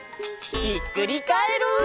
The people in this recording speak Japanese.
ひっくりカエル！